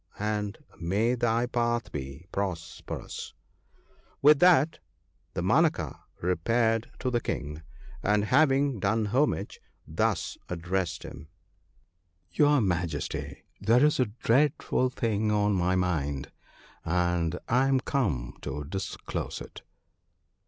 and may thy path be prosperous !' "With that Damanaka repaired to the King, and having done homage, thus addressed him :— 80 THE BOOK OF GOOD COUNSELS. * Your Majesty, there is a dreadful thing on my mind, and I am come to disclose it.'